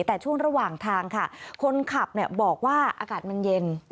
แต่ช่วงระหว่างทางค่ะคนขับบอกว่าอากาศมันเย็น